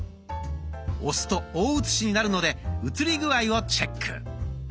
押すと大写しになるので写り具合をチェック。